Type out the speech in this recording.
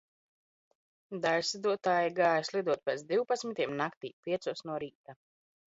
Daiļslidotāji gāja slidot pēc divpadsmitiem naktī, piecos no rīta.